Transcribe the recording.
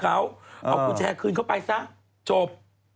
เอากุญแจคืนเข้าไปซะจบ